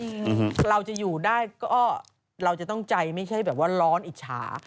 เราจะอยู่ได้ก็เราจะต้องใจไม่ใช่แบบว่าร้อนอิจฉา